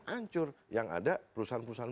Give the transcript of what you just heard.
hancur yang ada perusahaan perusahaan